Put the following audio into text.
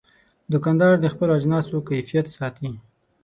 دوکاندار د خپلو اجناسو کیفیت ساتي.